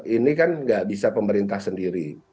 ini kan nggak bisa pemerintah sendiri